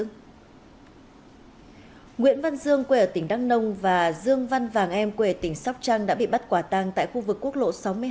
nguyễn văn dương quê ở tỉnh đăng nông và dương văn vàng em quê ở tỉnh sóc trăng đã bị bắt quả tang tại khu vực quốc lộ sáu mươi hai